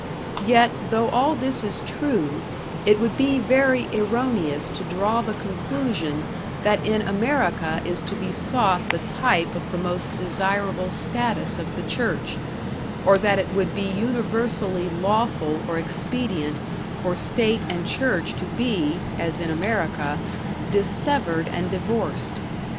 Yet, though all this is true, it would be very erroneous to draw the conclusion that in America is to be sought the type of the most desirable status of the church, or that it would be universally lawful or expedient for state and church to be, as in America, dissevered and divorced.